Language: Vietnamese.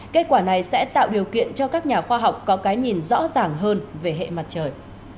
kết quả này sẽ tạo điều kiện cho các nhà khoa học có cái nhìn rõ ràng hơn về hệ mặt trời